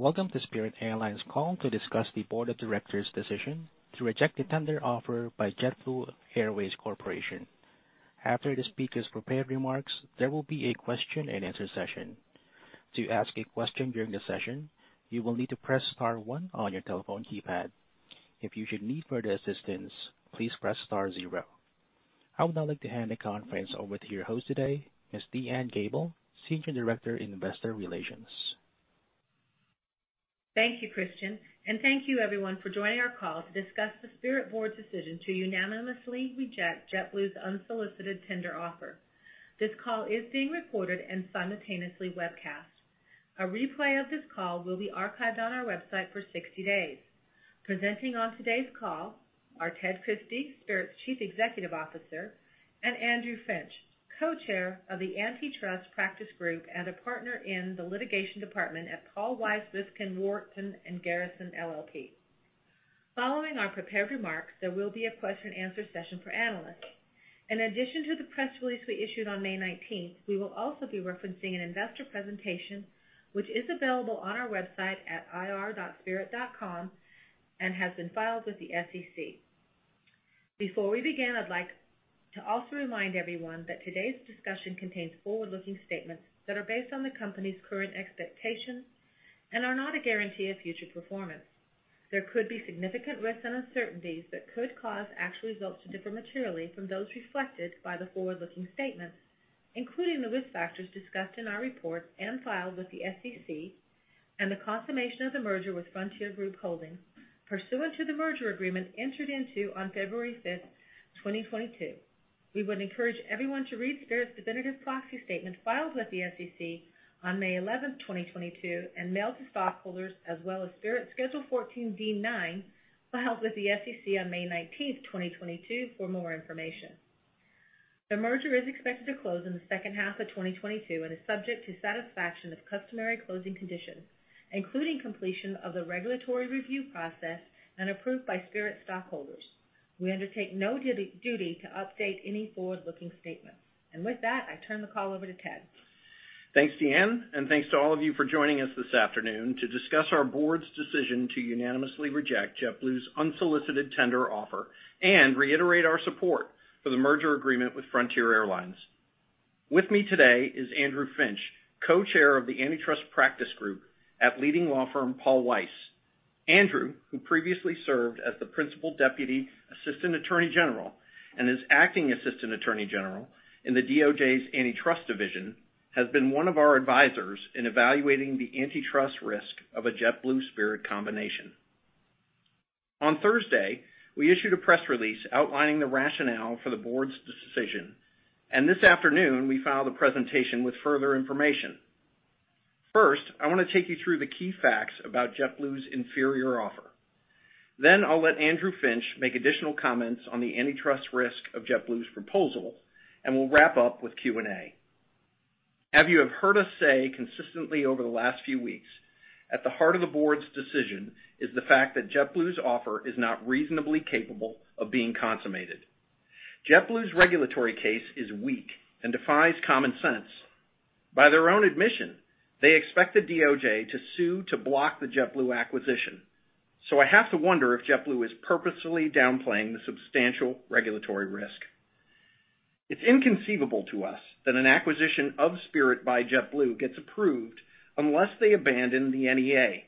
Welcome to Spirit Airlines call to discuss the board of directors decision to reject the tender offer by JetBlue Airways Corporation. After the speaker's prepared remarks, there will be a question and answer session. To ask a question during the session, you will need to press star one on your telephone keypad. If you should need further assistance, please press star zero. I would now like to hand the conference over to your host today, Ms. DeAnne Gabel, Senior Director in Investor Relations. Thank you, Christian, and thank you everyone for joining our call to discuss the Spirit board's decision to unanimously reject JetBlue's unsolicited tender offer. This call is being recorded and simultaneously webcast. A replay of this call will be archived on our website for 60 days. Presenting on today's call are Ted Christie, Spirit's Chief Executive Officer, and Andrew Finch, Co-Chair of the Antitrust Practice Group and a partner in the litigation department at Paul, Weiss, Rifkind, Wharton & Garrison LLP. Following our prepared remarks, there will be a question and answer session for analysts. In addition to the press release we issued on May 19th, we will also be referencing an investor presentation which is available on our website at ir.spirit.com and has been filed with the SEC. Before we begin, I'd like to also remind everyone that today's discussion contains forward-looking statements that are based on the company's current expectations and are not a guarantee of future performance. There could be significant risks and uncertainties that could cause actual results to differ materially from those reflected by the forward-looking statements, including the risk factors discussed in our reports filed with the SEC and the consummation of the merger with Frontier Group Holdings pursuant to the merger agreement entered into on February 5th, 2022. We would encourage everyone to read Spirit's definitive proxy statement filed with the SEC on May 11th, 2022, and mailed to stockholders as well as Spirit's Schedule 14D-9, filed with the SEC on May 19th, 2022 for more information. The merger is expected to close in the second half of 2022 and is subject to satisfaction of customary closing conditions, including completion of the regulatory review process and approved by Spirit stockholders. We undertake no duty to update any forward-looking statements. With that, I turn the call over to Ted. Thanks, Deanne, and thanks to all of you for joining us this afternoon to discuss our board's decision to unanimously reject JetBlue's unsolicited tender offer and reiterate our support for the merger agreement with Frontier Airlines. With me today is Andrew Finch, Co-Chair of the Antitrust Practice Group at leading law firm Paul, Weiss. Andrew, who previously served as the Principal Deputy Assistant Attorney General and is Acting Assistant Attorney General in the DOJ's Antitrust Division, has been one of our advisors in evaluating the antitrust risk of a JetBlue-Spirit combination. On Thursday, we issued a press release outlining the rationale for the board's decision, and this afternoon we filed a presentation with further information. First, I want to take you through the key facts about JetBlue's inferior offer. Then I'll let Andrew Finch make additional comments on the antitrust risk of JetBlue's proposal, and we'll wrap up with Q&A. As you have heard us say consistently over the last few weeks, at the heart of the board's decision is the fact that JetBlue's offer is not reasonably capable of being consummated. JetBlue's regulatory case is weak and defies common sense. By their own admission, they expect the DOJ to sue to block the JetBlue acquisition. I have to wonder if JetBlue is purposely downplaying the substantial regulatory risk. It's inconceivable to us that an acquisition of Spirit by JetBlue gets approved unless they abandon the NEA,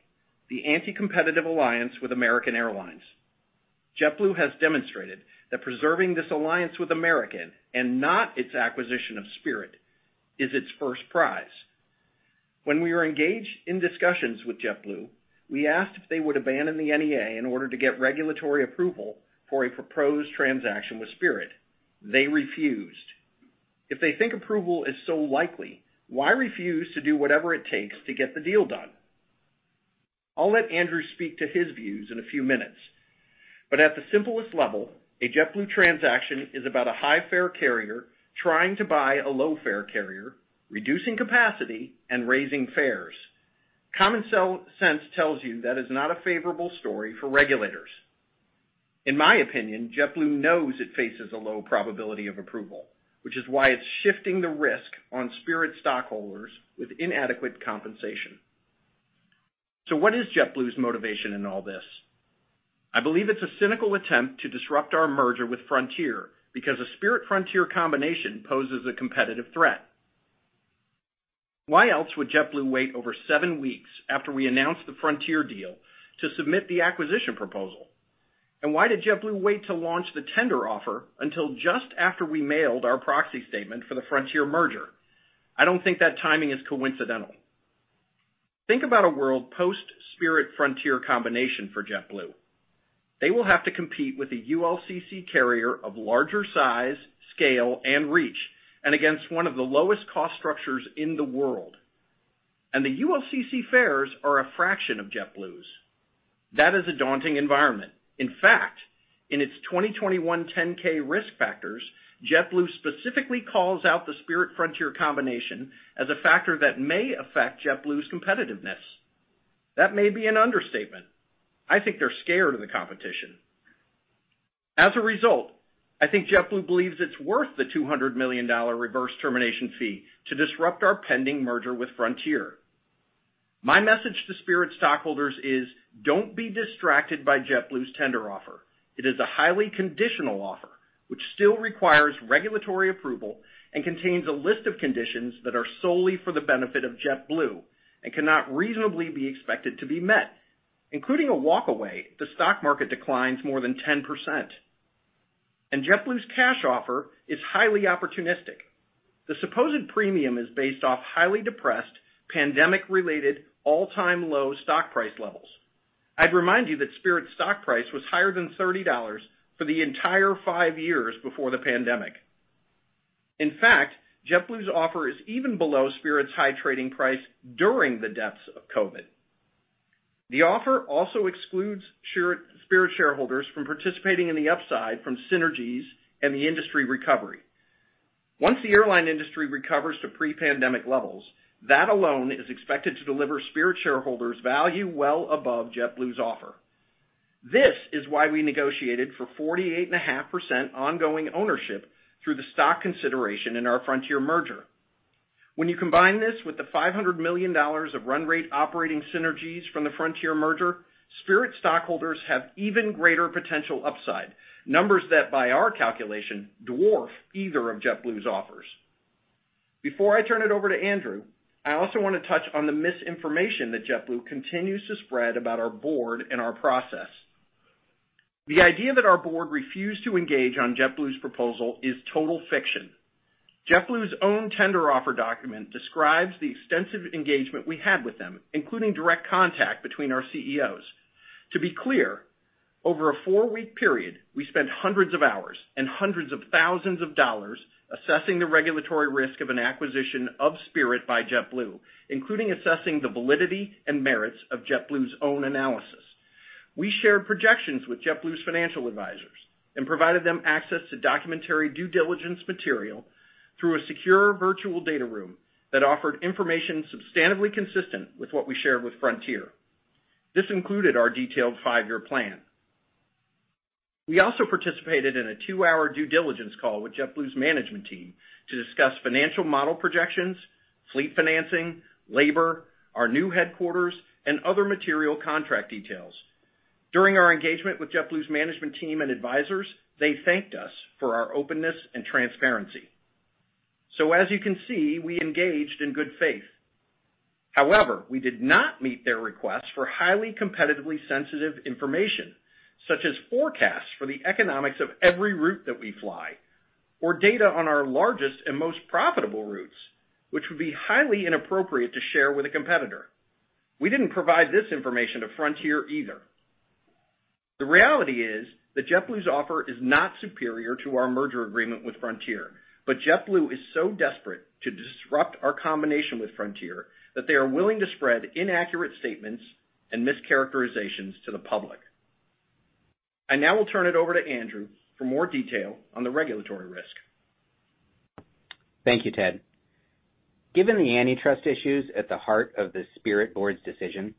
the anti-competitive alliance with American Airlines. JetBlue has demonstrated that preserving this alliance with American and not its acquisition of Spirit is its first prize. When we were engaged in discussions with JetBlue, we asked if they would abandon the NEA in order to get regulatory approval for a proposed transaction with Spirit. They refused. If they think approval is so likely, why refuse to do whatever it takes to get the deal done? I'll let Andrew speak to his views in a few minutes. At the simplest level, a JetBlue transaction is about a high-fare carrier trying to buy a low-fare carrier, reducing capacity and raising fares. Common sense tells you that is not a favorable story for regulators. In my opinion, JetBlue knows it faces a low probability of approval, which is why it's shifting the risk on Spirit stockholders with inadequate compensation. What is JetBlue's motivation in all this? I believe it's a cynical attempt to disrupt our merger with Frontier because a Spirit-Frontier combination poses a competitive threat. Why else would JetBlue wait over seven weeks after we announced the Frontier deal to submit the acquisition proposal? Why did JetBlue wait to launch the tender offer until just after we mailed our proxy statement for the Frontier merger? I don't think that timing is coincidental. Think about a world post-Spirit Frontier combination for JetBlue. They will have to compete with a ULCC carrier of larger size, scale, and reach, and against one of the lowest cost structures in the world. The ULCC fares are a fraction of JetBlue's. That is a daunting environment. In fact, in its 2021 10-K risk factors, JetBlue specifically calls out the Spirit-Frontier combination as a factor that may affect JetBlue's competitiveness. That may be an understatement. I think they're scared of the competition. As a result, I think JetBlue believes it's worth the $200 million reverse termination fee to disrupt our pending merger with Frontier. My message to Spirit stockholders is don't be distracted by JetBlue's tender offer. It is a highly conditional offer, which still requires regulatory approval and contains a list of conditions that are solely for the benefit of JetBlue and cannot reasonably be expected to be met, including a walk away if the stock market declines more than 10%. JetBlue's cash offer is highly opportunistic. The supposed premium is based off highly depressed, pandemic-related, all-time-low stock price levels. I'd remind you that Spirit's stock price was higher than $30 for the entire five years before the pandemic. In fact, JetBlue's offer is even below Spirit's high trading price during the depths of COVID. The offer also excludes Spirit shareholders from participating in the upside from synergies and the industry recovery. Once the airline industry recovers to pre-pandemic levels, that alone is expected to deliver Spirit shareholders value well above JetBlue's offer. This is why we negotiated for 48.5% ongoing ownership through the stock consideration in our Frontier merger. When you combine this with the $500 million of run rate operating synergies from the Frontier merger, Spirit stockholders have even greater potential upside, numbers that, by our calculation, dwarf either of JetBlue's offers. Before I turn it over to Andrew, I also want to touch on the misinformation that JetBlue continues to spread about our board and our process. The idea that our board refused to engage on JetBlue's proposal is total fiction. JetBlue's own tender offer document describes the extensive engagement we had with them, including direct contact between our CEOs. To be clear, over a four-week period, we spent hundreds of hours and hundreds of thousands of dollars assessing the regulatory risk of an acquisition of Spirit by JetBlue, including assessing the validity and merits of JetBlue's own analysis. We shared projections with JetBlue's financial advisors and provided them access to documentary due diligence material through a secure virtual data room that offered information substantively consistent with what we shared with Frontier. This included our detailed five-year plan. We also participated in a two-hour due diligence call with JetBlue's management team to discuss financial model projections, fleet financing, labor, our new headquarters, and other material contract details. During our engagement with JetBlue's management team and advisors, they thanked us for our openness and transparency. As you can see, we engaged in good faith. However, we did not meet their requests for highly competitively sensitive information, such as forecasts for the economics of every route that we fly or data on our largest and most profitable routes, which would be highly inappropriate to share with a competitor. We didn't provide this information to Frontier either. The reality is that JetBlue's offer is not superior to our merger agreement with Frontier, but JetBlue is so desperate to disrupt our combination with Frontier that they are willing to spread inaccurate statements and mischaracterizations to the public. I now will turn it over to Andrew for more detail on the regulatory risk. Thank you, Ted. Given the antitrust issues at the heart of the Spirit board's decision,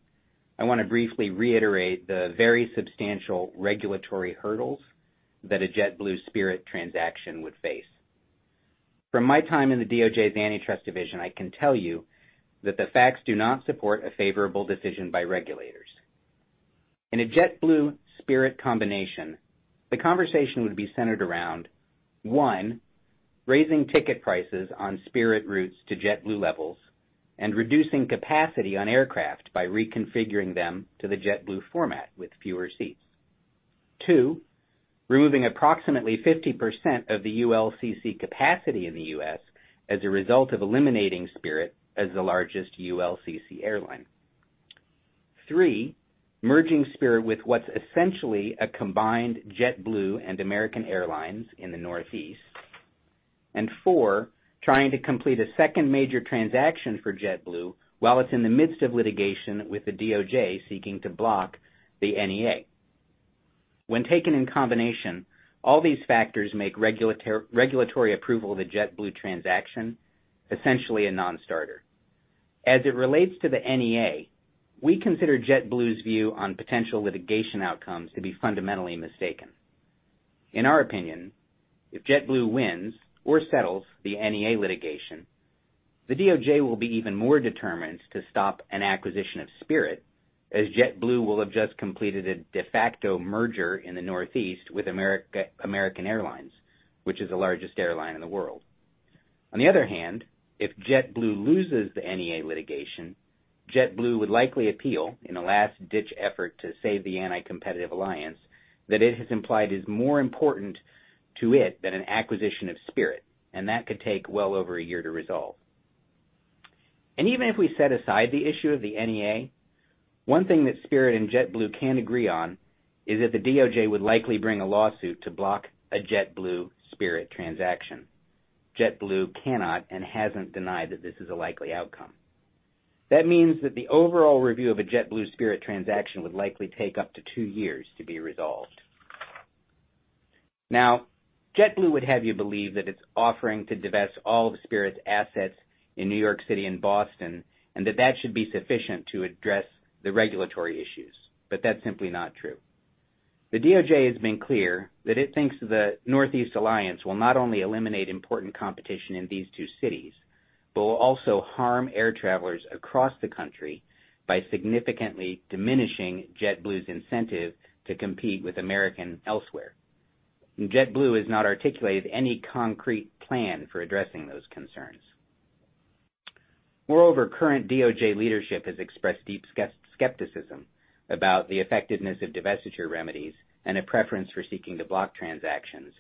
I want to briefly reiterate the very substantial regulatory hurdles that a JetBlue Spirit transaction would face. From my time in the DOJ's Antitrust Division, I can tell you that the facts do not support a favorable decision by regulators. In a JetBlue Spirit combination, the conversation would be centered around, one, raising ticket prices on Spirit routes to JetBlue levels and reducing capacity on aircraft by reconfiguring them to the JetBlue format with fewer seats. Two, removing approximately 50% of the ULCC capacity in the U.S. as a result of eliminating Spirit as the largest ULCC airline. Three, merging Spirit with what's essentially a combined JetBlue and American Airlines in the Northeast. Four, trying to complete a second major transaction for JetBlue while it's in the midst of litigation with the DOJ seeking to block the NEA. When taken in combination, all these factors make regulatory approval of the JetBlue transaction essentially a non-starter. As it relates to the NEA, we consider JetBlue's view on potential litigation outcomes to be fundamentally mistaken. In our opinion, if JetBlue wins or settles the NEA litigation, the DOJ will be even more determined to stop an acquisition of Spirit as JetBlue will have just completed a de facto merger in the Northeast with American Airlines, which is the largest airline in the world. On the other hand, if JetBlue loses the NEA litigation, JetBlue would likely appeal in a last-ditch effort to save the anti-competitive alliance that it has implied is more important to it than an acquisition of Spirit, and that could take well over a year to resolve. Even if we set aside the issue of the NEA, one thing that Spirit and JetBlue can agree on is that the DOJ would likely bring a lawsuit to block a JetBlue Spirit transaction. JetBlue cannot and hasn't denied that this is a likely outcome. That means that the overall review of a JetBlue Spirit transaction would likely take up to two years to be resolved. Now, JetBlue would have you believe that it's offering to divest all of Spirit's assets in New York City and Boston, and that that should be sufficient to address the regulatory issues, but that's simply not true. The DOJ has been clear that it thinks the Northeast Alliance will not only eliminate important competition in these two cities, but will also harm air travelers across the country by significantly diminishing JetBlue's incentive to compete with American elsewhere. JetBlue has not articulated any concrete plan for addressing those concerns. Moreover, current DOJ leadership has expressed deep skepticism about the effectiveness of divestiture remedies and a preference for seeking to block transactions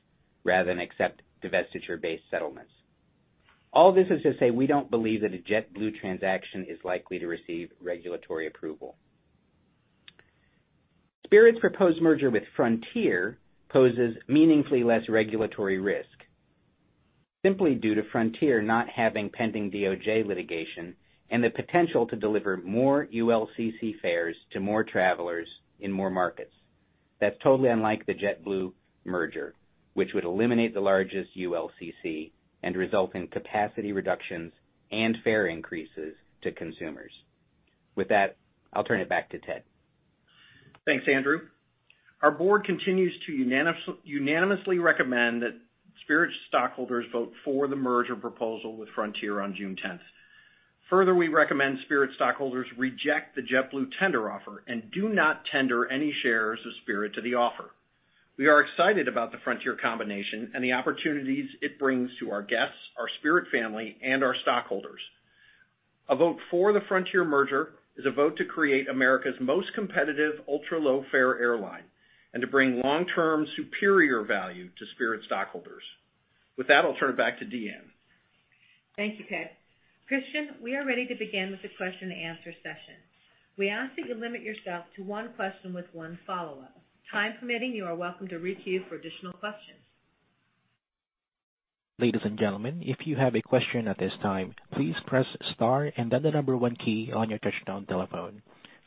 rather than accept divestiture-based settlements. All this is to say, we don't believe that a JetBlue transaction is likely to receive regulatory approval. Spirit's proposed merger with Frontier poses meaningfully less regulatory risk simply due to Frontier not having pending DOJ litigation and the potential to deliver more ULCC fares to more travelers in more markets. That's totally unlike the JetBlue merger, which would eliminate the largest ULCC and result in capacity reductions and fare increases to consumers. With that, I'll turn it back to Ted. Thanks, Andrew. Our board continues to unanimously recommend that Spirit stockholders vote for the merger proposal with Frontier on June 10th. Further, we recommend Spirit stockholders reject the JetBlue tender offer and do not tender any shares of Spirit to the offer. We are excited about the Frontier combination and the opportunities it brings to our guests, our Spirit family, and our stockholders. A vote for the Frontier merger is a vote to create America's most competitive ultra-low fare airline and to bring long-term superior value to Spirit stockholders. With that, I'll turn it back to DeAnne. Thank you, Ted. Christian, we are ready to begin with the question and answer session. We ask that you limit yourself to one question with one follow-up. Time permitting, you are welcome to queue for additional questions. Ladies and gentlemen, if you have a question at this time, please press star and then the number one key on your touchtone telephone.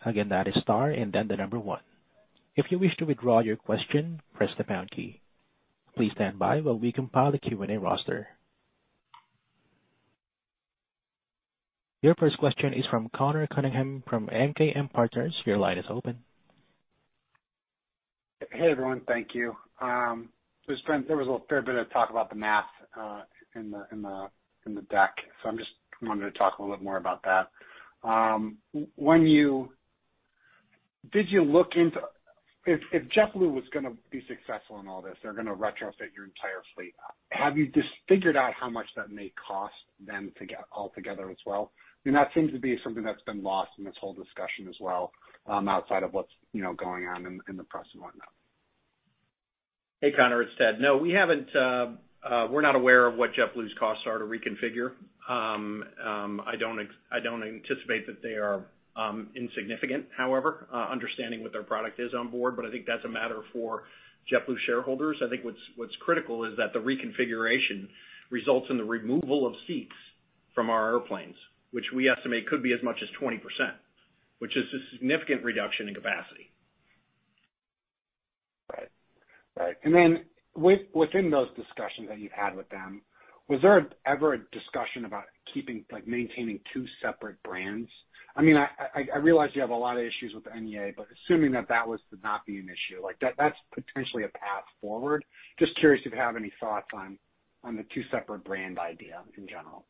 Again, that is star and then the number one. If you wish to withdraw your question, press the pound key. Please stand by while we compile the Q&A roster. Your first question is from Conor Cunningham from MKM Partners. Your line is open. Hey, everyone. Thank you. There was a fair bit of talk about the math in the deck, so I'm just wanting to talk a little bit more about that. Did you look into if JetBlue was gonna be successful in all this, they're gonna retrofit your entire fleet. Have you just figured out how much that may cost them to get all together as well? I mean, that seems to be something that's been lost in this whole discussion as well, outside of what's, you know, going on in the press and Whatnot. Hey, Conor, it's Ted. No, we haven't. We're not aware of what JetBlue's costs are to reconfigure. I don't anticipate that they are insignificant, however, understanding what their product is on board, but I think that's a matter for JetBlue shareholders. I think what's critical is that the reconfiguration results in the removal of seats from our airplanes, which we estimate could be as much as 20%, which is a significant reduction in capacity. Right. Then within those discussions that you've had with them, was there ever a discussion about keeping, like, maintaining two separate brands? I mean, I realize you have a lot of issues with NEA, but assuming that was to not be an issue, like that's potentially a path forward. Just curious if you have any thoughts on the two separate brand idea in general.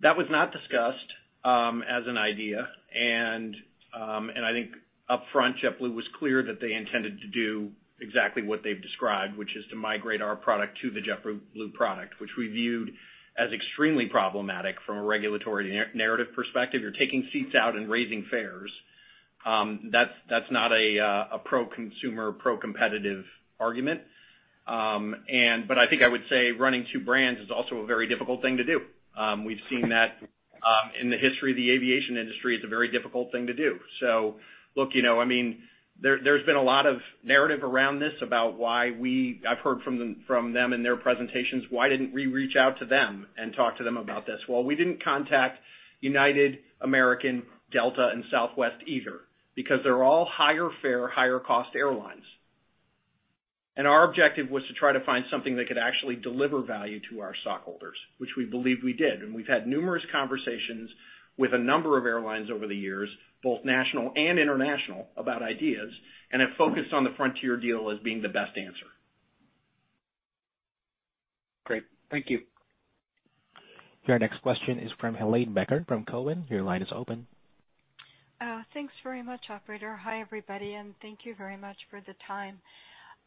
That was not discussed as an idea. I think upfront, JetBlue was clear that they intended to do exactly what they've described, which is to migrate our product to the JetBlue product, which we viewed as extremely problematic from a regulatory narrative perspective. You're taking seats out and raising fares. That's not a pro-consumer, pro-competitive argument. But I think I would say running two brands is also a very difficult thing to do. We've seen that in the history of the aviation industry. It's a very difficult thing to do. Look, you know, I mean, there's been a lot of narrative around this. I've heard from them in their presentations why didn't we reach out to them and talk to them about this? Well, we didn't contact United, American, Delta, and Southwest either, because they're all higher fare, higher cost airlines. Our objective was to try to find something that could actually deliver value to our stockholders, which we believe we did. We've had numerous conversations with a number of airlines over the years, both national and international, about ideas, and have focused on the Frontier deal as being the best answer. Great. Thank you. Your next question is from Helane Becker from Cowen. Your line is open. Thanks very much, operator. Hi, everybody, and thank you very much for the time.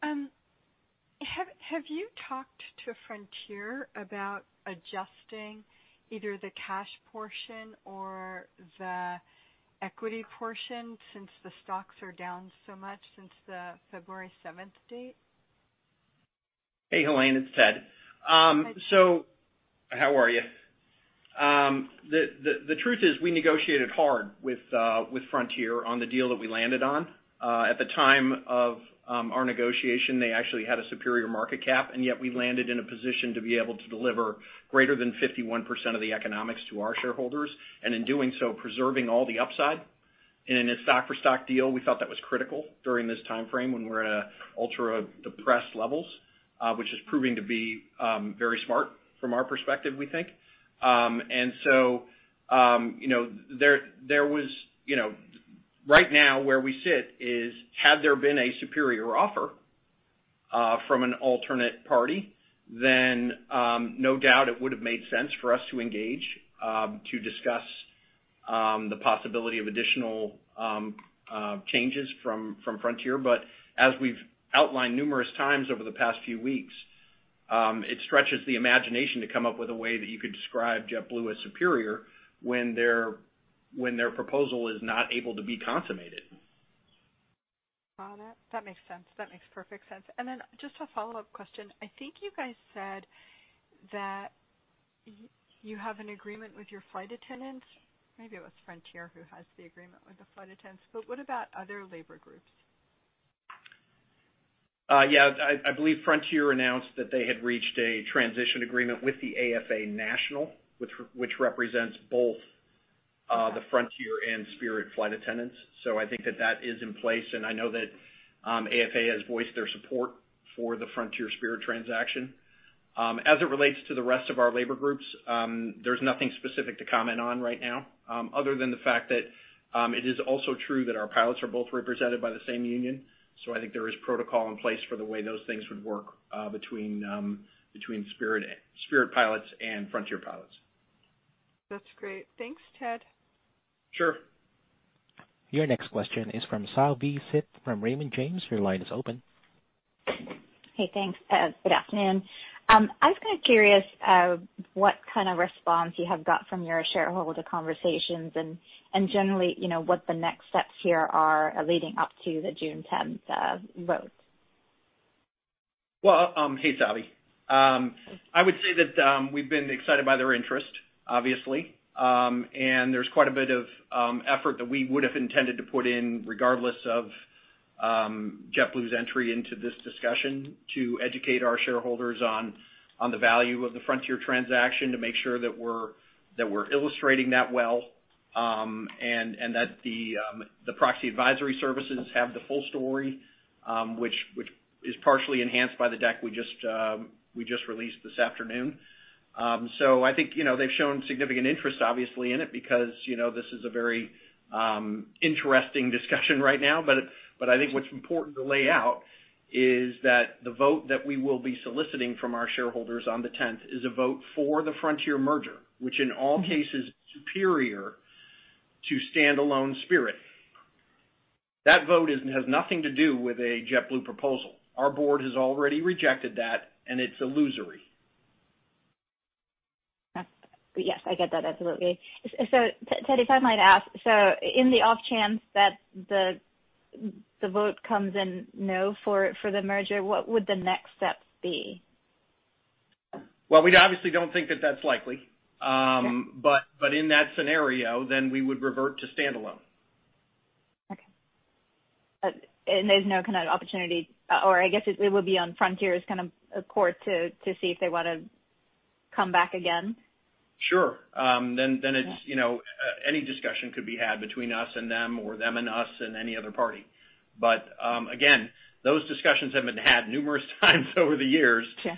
Have you talked to Frontier about adjusting either the cash portion or the equity portion since the stocks are down so much since the February 7 date? Hey, Helane, it's Ted. So how are ya? The truth is we negotiated hard with Frontier on the deal that we landed on. At the time of our negotiation, they actually had a superior market cap, and yet we landed in a position to be able to deliver greater than 51% of the economics to our shareholders, and in doing so, preserving all the upside. In a stock for stock deal, we thought that was critical during this time frame when we're at ultra-depressed levels, which is proving to be very smart from our perspective, we think. You know, right now where we sit is had there been a superior offer from an alternate party, then no doubt it would have made sense for us to engage to discuss the possibility of additional changes from Frontier. But as we've outlined numerous times over the past few weeks, it stretches the imagination to come up with a way that you could describe JetBlue as superior when their proposal is not able to be consummated. Got it. That makes sense. That makes perfect sense. Just a follow-up question. I think you guys said that you have an agreement with your flight attendants. Maybe it was Frontier who has the agreement with the flight attendants, but what about other labor groups? Yeah, I believe Frontier announced that they had reached a transition agreement with the AFA National, which represents both the Frontier and Spirit flight attendants. I think that is in place, and I know that AFA has voiced their support for the Frontier Spirit transaction. As it relates to the rest of our labor groups, there's nothing specific to comment on right now, other than the fact that it is also true that our pilots are both represented by the same union. I think there is protocol in place for the way those things would work between Spirit pilots and Frontier pilots. That's great. Thanks, Ted. Sure. Your next question is from Savanthi Syth from Raymond James. Your line is open. Hey, thanks. Good afternoon. I was kind of curious, what kind of response you have got from your shareholder conversations and generally, you know, what the next steps here are leading up to the June 10th vote? Well, hey, Savi. I would say that we've been excited by their interest, obviously. There's quite a bit of effort that we would have intended to put in regardless of JetBlue's entry into this discussion to educate our shareholders on the value of the Frontier transaction to make sure that we're illustrating that well, and that the proxy advisory services have the full story, which is partially enhanced by the deck we just released this afternoon. I think, you know, they've shown significant interest obviously in it because, you know, this is a very interesting discussion right now. I think what's important to lay out is that the vote that we will be soliciting from our shareholders on the tenth is a vote for the Frontier merger, which in all cases is superior to standalone Spirit. That vote has nothing to do with a JetBlue proposal. Our board has already rejected that, and it's illusory. Yes, I get that, absolutely. Ted, if I might ask, so in the off chance that the vote comes in no for the merger, what would the next steps be? Well, we obviously don't think that that's likely. In that scenario, we would revert to standalone. Okay. There's no kind of opportunity or I guess it would be on Frontier's kind of accord to see if they wanna come back again. Sure. It's, you know, any discussion could be had between us and them or them and us and any other party. Again, those discussions have been had numerous times over the years. Sure.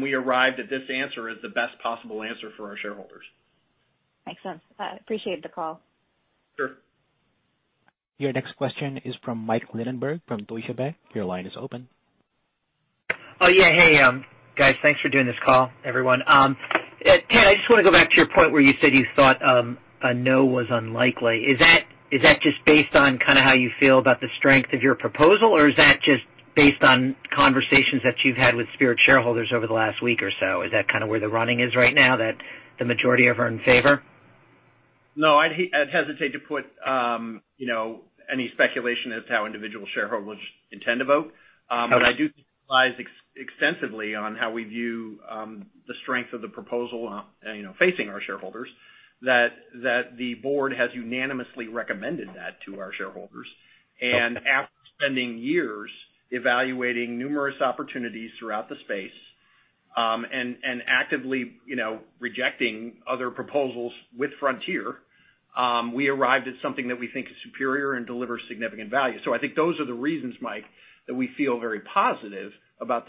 We arrived at this answer as the best possible answer for our shareholders. Makes sense. I appreciate the call. Sure. Your next question is from Mike Linenberg, from Deutsche Bank. Your line is open. Oh, yeah. Hey, guys. Thanks for doing this call, everyone. Ted, I just want to go back to your point where you said you thought a no was unlikely. Is that just based on kind of how you feel about the strength of your proposal, or is that just based on conversations that you've had with Spirit shareholders over the last week or so? Is that kind of where the running is right now, that the majority are in favor? No, I'd hesitate to put, you know, any speculation as to how individual shareholders intend to vote. Okay. I do.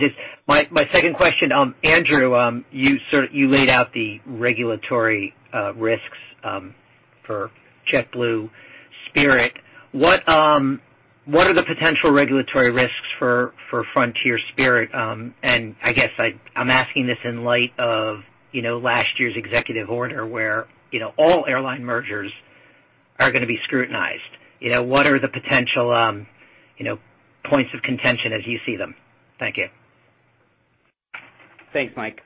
Just my second question. Andrew, you laid out the regulatory risks for JetBlue, Spirit. What are the potential regulatory risks for Frontier, Spirit? I guess I'm asking this in light of, you know, last year's executive order where, you know, all airline mergers are gonna be scrutinized. You know, what are the potential, you know, points of contention as you see them? Thank you. Thanks, Mike.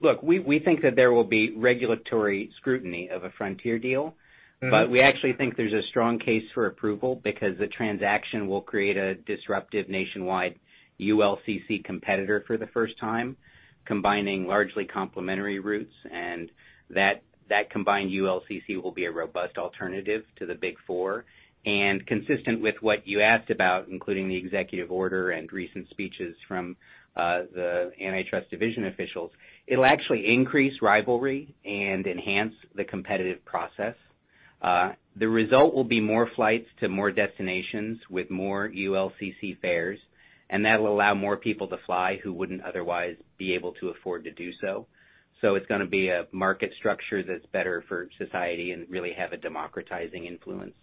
Look, we think that there will be regulatory scrutiny of a Frontier deal. Mm-hmm. We actually think there's a strong case for approval because the transaction will create a disruptive nationwide ULCC competitor for the first time, combining largely complementary routes. That combined ULCC will be a robust alternative to the big four. Consistent with what you asked about, including the executive order and recent speeches from the Antitrust Division officials, it'll actually increase rivalry and enhance the competitive process. The result will be more flights to more destinations with more ULCC fares, and that'll allow more people to fly who wouldn't otherwise be able to afford to do so. It's gonna be a market structure that's better for society and really have a democratizing influence.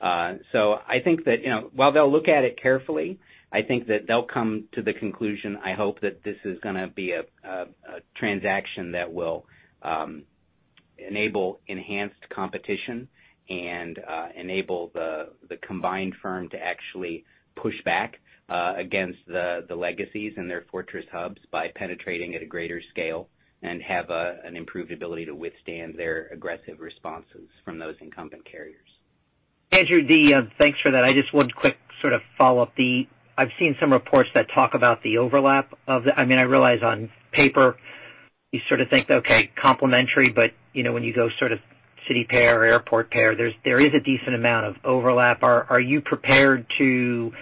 I think that, you know, while they'll look at it carefully, I think that they'll come to the conclusion, I hope, that this is gonna be a transaction that will enable enhanced competition and enable the combined firm to actually push back against the legacies and their fortress hubs by penetrating at a greater scale and have an improved ability to withstand their aggressive responses from those incumbent carriers. Andrew D., thanks for that. I just have one quick sort of follow-up. I've seen some reports that talk about the overlap. I mean, I realize on paper you sort of think, okay, complementary, but, you know, when you go sort of city pair or airport pair, there is a decent amount of overlap. Are you prepared to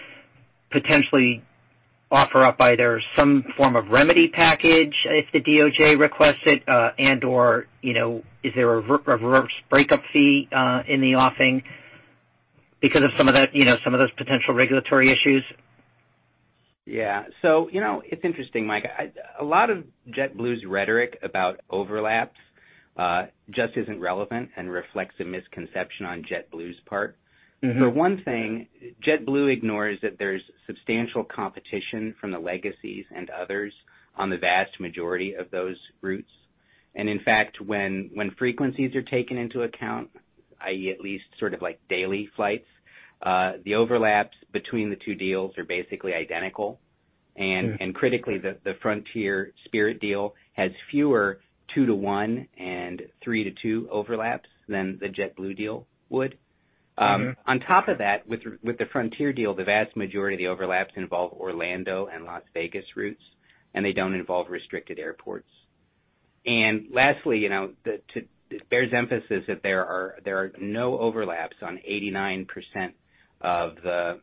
potentially offer up either some form of remedy package if the DOJ requests it, and/or, you know, is there a reverse breakup fee in the offing because of some of the, you know, some of those potential regulatory issues? Yeah. You know, it's interesting, Mike. A lot of JetBlue's rhetoric about overlaps just isn't relevant and reflects a misconception on JetBlue's part. Mm-hmm. For one thing, JetBlue ignores that there's substantial competition from the legacies and others on the vast majority of those routes. In fact, when frequencies are taken into account, i.e., at least sort of like daily flights, the overlaps between the two deals are basically identical. Mm-hmm. Critically, the Frontier-Spirit deal has fewer 2-to-1 and 3-to-2 overlaps than the JetBlue deal would. Mm-hmm. On top of that, with the Frontier deal, the vast majority of the overlaps involve Orlando and Las Vegas routes, and they don't involve restricted airports. Lastly, you know, it bears emphasis that there are no overlaps on 89% of the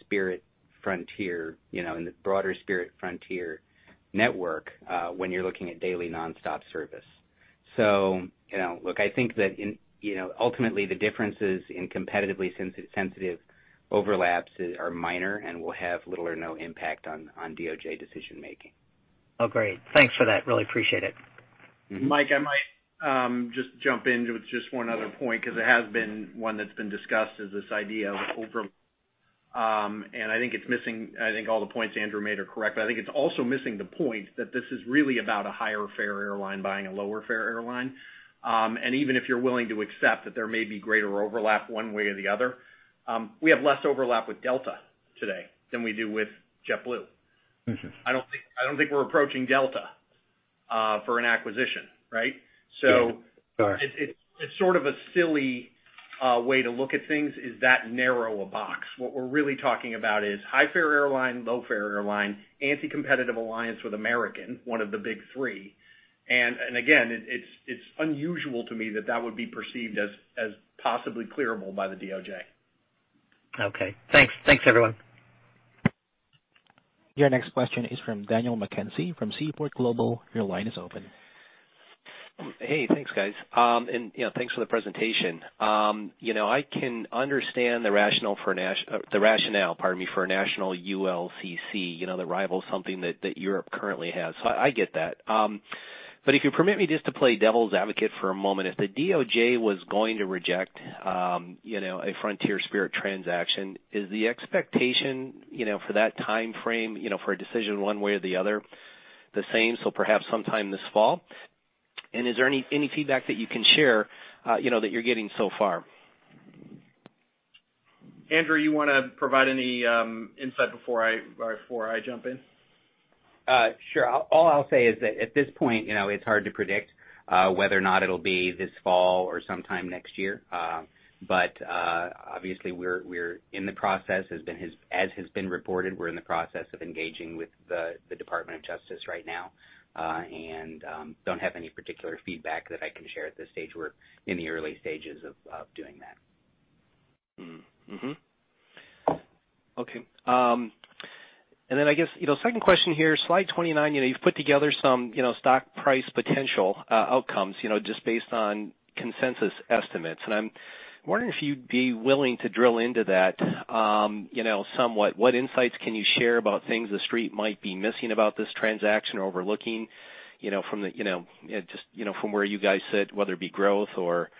Spirit-Frontier, you know, in the broader Spirit-Frontier network, when you're looking at daily nonstop service. You know, look, I think that in, you know, ultimately the differences in competitively sensitive overlaps are minor and will have little or no impact on DOJ decision making. Oh, great. Thanks for that. Really appreciate it. Mm-hmm. Mike, I might just jump in with just one other point, 'cause it has been one that's been discussed, is this idea of overlap. I think it's missing. I think all the points Andrew made are correct, but I think it's also missing the point that this is really about a higher fare airline buying a lower fare airline. Even if you're willing to accept that there may be greater overlap one way or the other, we have less overlap with Delta today than we do with JetBlue. Mm-hmm. I don't think we're approaching Delta for an acquisition, right? So Yeah. Sorry. It's sort of a silly way to look at things is that narrow a box. What we're really talking about is high fare airline, low fare airline, anti-competitive alliance with American, one of the big three. Again, it's unusual to me that would be perceived as possibly clearable by the DOJ. Okay. Thanks, everyone. Your next question is from Daniel McKenzie from Seaport Global. Your line is open. Hey, thanks, guys. You know, thanks for the presentation. You know, I can understand the rationale, pardon me, for a national ULCC, you know, the rival something that Europe currently has. I get that. If you permit me just to play devil's advocate for a moment, if the DOJ was going to reject a Frontier-Spirit transaction, is the expectation for that timeframe for a decision one way or the other, the same, so perhaps sometime this fall? Is there any feedback that you can share that you're getting so far? Andrew, you wanna provide any insight before I jump in? Sure. All I'll say is that at this point, you know, it's hard to predict whether or not it'll be this fall or sometime next year. Obviously we're in the process. As has been reported, we're in the process of engaging with the Department of Justice right now, and don't have any particular feedback that I can share at this stage. We're in the early stages of doing that. I guess, you know, second question here, slide 29, you know, you've put together some, you know, stock price potential outcomes, you know, just based on consensus estimates. I'm wondering if you'd be willing to drill into that, you know, somewhat. What insights can you share about things the Street might be missing about this transaction or overlooking, you know, from the, you know, just, you know, from where you guys sit, whether it be growth or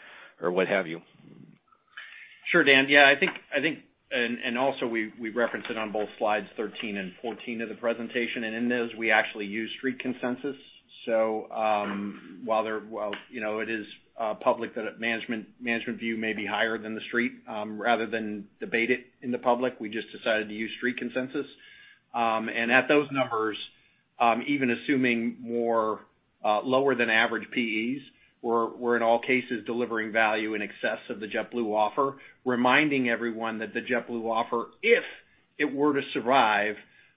what have you? Sure, Dan. Yeah, I think also we reference it on both slides 13 and 14 of the presentation, and in those, we actually use Street consensus. While there, well, you know, it is public that management view may be higher than the street, rather than debate it in the public, we just decided to use street consensus. At those numbers, even assuming more lower than average PEs, we're in all cases delivering value in excess of the JetBlue offer, reminding everyone that the JetBlue offer, if it were to survive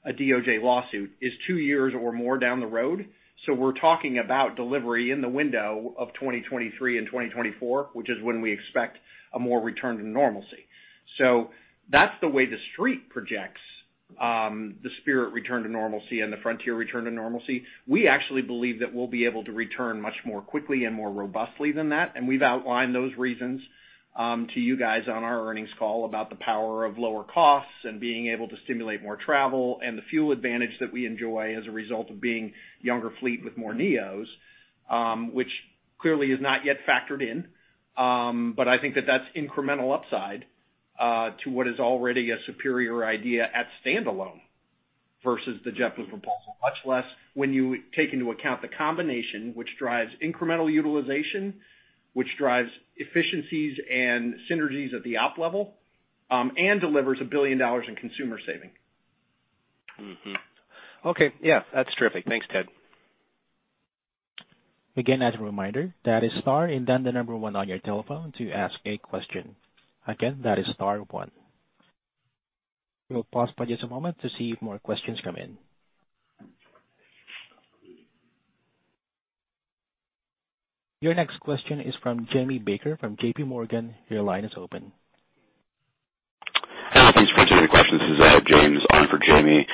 a DOJ lawsuit, is two years or more down the road. We're talking about delivery in the window of 2023 and 2024, which is when we expect a more return to normalcy. That's the way the street projects, the Spirit return to normalcy and the Frontier return to normalcy. We actually believe that we'll be able to return much more quickly and more robustly than that. We've outlined those reasons to you guys on our earnings call about the power of lower costs and being able to stimulate more travel and the fuel advantage that we enjoy as a result of being younger fleet with more NEOs, which clearly is not yet factored in. I think that that's incremental upside to what is already a superior idea at standalone versus the JetBlue proposal. Much less when you take into account the combination which drives incremental utilization, which drives efficiencies and synergies at the op level, and delivers $1 billion in consumer savings. Mm-hmm. Okay. Yeah, that's terrific. Thanks, Ted. Again, as a reminder, that is star and then the number one on your telephone to ask a question. Again, that is star one. We'll pause for just a moment to see if more questions come in. Your next question is from Jamie Baker from JPMorgan. Your line is open. Thanks for taking the question. This is James on for Jamie.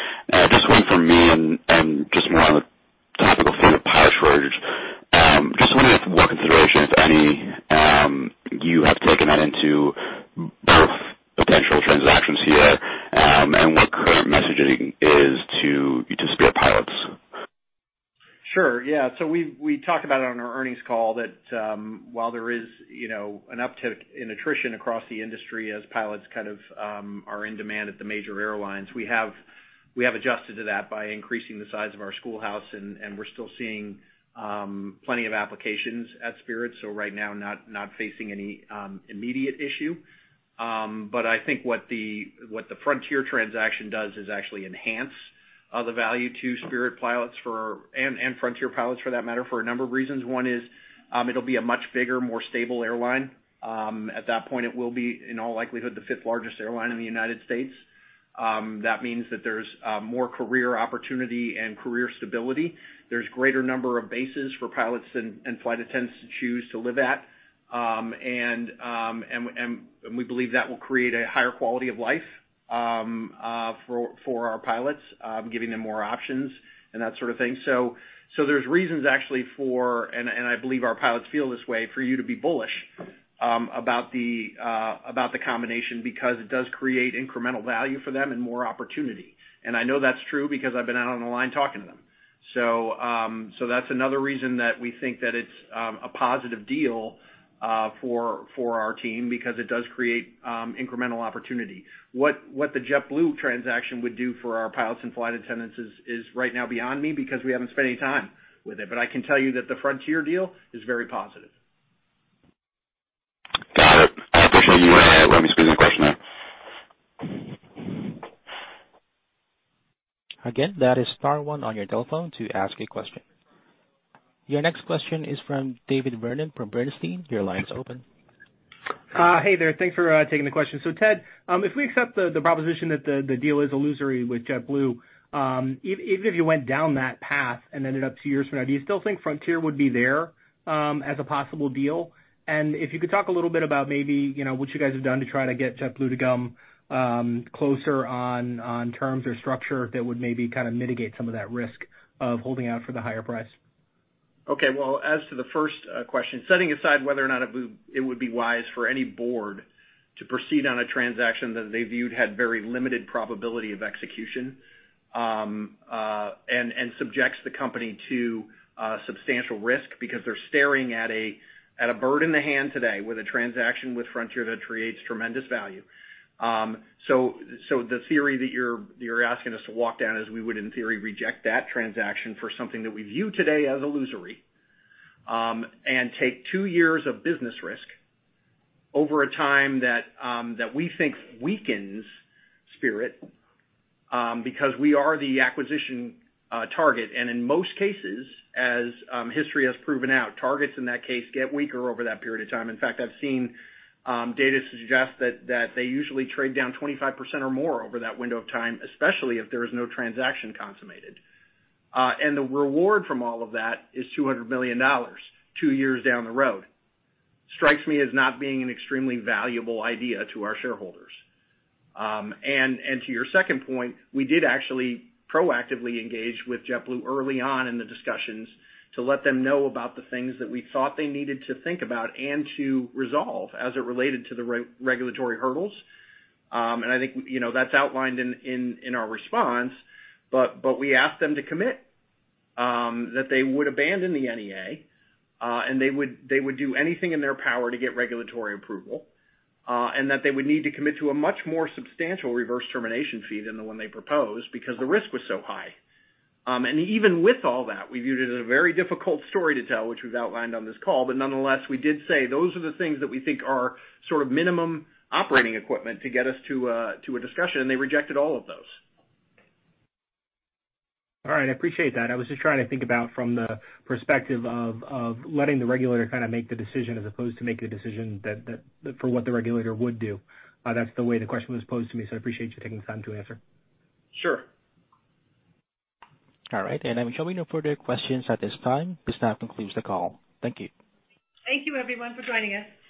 Just one for me and just more on the topical theme of pilot shortage. Just wondering if more consideration, if any, you have taken that into both potential transactions here, and what current messaging is to Spirit pilots. Sure. Yeah. We talked about it on our earnings call that while there is, you know, an uptick in attrition across the industry as pilots kind of are in demand at the major airlines. We have adjusted to that by increasing the size of our schoolhouse, and we're still seeing plenty of applications at Spirit, so right now not facing any immediate issue. But I think what the Frontier transaction does is actually enhance the value to Spirit pilots and Frontier pilots for that matter, for a number of reasons. One is, it'll be a much bigger, more stable airline. At that point, it will be, in all likelihood, the fifth-largest airline in the United States. That means that there's more career opportunity and career stability. There's greater number of bases for pilots and flight attendants to choose to live at. We believe that will create a higher quality of life for our pilots, giving them more options and that sort of thing. There's reasons actually I believe our pilots feel this way for you to be bullish about the combination because it does create incremental value for them and more opportunity. I know that's true because I've been out on the line talking to them. That's another reason that we think that it's a positive deal for our team because it does create incremental opportunity. What the JetBlue transaction would do for our pilots and flight attendants is right now beyond me because we haven't spent any time with it. I can tell you that the Frontier deal is very positive. Got it. I appreciate you letting me squeeze in a question there. Again, that is star one on your telephone to ask a question. Your next question is from David Vernon from Bernstein. Your line is open. Hey there. Thanks for taking the question. Ted, if we accept the proposition that the deal is illusory with JetBlue, even if you went down that path and ended up two years from now, do you still think Frontier would be there as a possible deal? If you could talk a little bit about maybe, you know, what you guys have done to try to get JetBlue to come closer on terms or structure that would maybe kind of mitigate some of that risk of holding out for the higher price. Okay. Well, as to the first question, setting aside whether or not it would be wise for any board to proceed on a transaction that they viewed had very limited probability of execution, and subjects the company to substantial risk because they're staring at a bird in the hand today with a transaction with Frontier that creates tremendous value. So the theory that you're asking us to walk down is we would, in theory, reject that transaction for something that we view today as illusory, and take two years of business risk over a time that we think weakens Spirit, because we are the acquisition target. In most cases, as history has proven out, targets in that case get weaker over that period of time. In fact, I've seen data suggest that they usually trade down 25% or more over that window of time, especially if there is no transaction consummated. The reward from all of that is $200 million two years down the road. Strikes me as not being an extremely valuable idea to our shareholders. To your second point, we did actually proactively engage with JetBlue early on in the discussions to let them know about the things that we thought they needed to think about and to resolve as it related to the regulatory hurdles. I think, you know, that's outlined in our response, but we asked them to commit that they would abandon the NEA and they would do anything in their power to get regulatory approval and that they would need to commit to a much more substantial reverse termination fee than the one they proposed because the risk was so high. Even with all that, we viewed it as a very difficult story to tell, which we've outlined on this call. Nonetheless, we did say those are the things that we think are sort of minimum operating equipment to get us to a discussion, and they rejected all of those. All right. I appreciate that. I was just trying to think about from the perspective of letting the regulator kind of make the decision as opposed to making the decision for what the regulator would do. That's the way the question was posed to me, so I appreciate you taking the time to answer. Sure. All right. Showing no further questions at this time, this now concludes the call. Thank you. Thank you everyone for joining us.